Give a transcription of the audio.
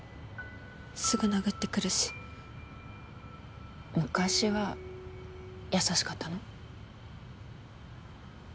すぐ殴ってくるし昔は優しかったの？